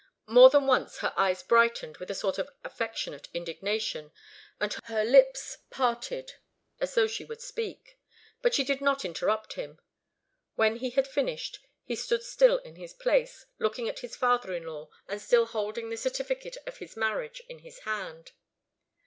More than once her eyes brightened with a sort of affectionate indignation, and her lips parted as though she would speak. But she did not interrupt him. When he had finished he stood still in his place, looking at his father in law, and still holding the certificate of his marriage in his hand.